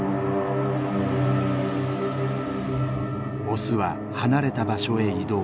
オスは離れた場所へ移動。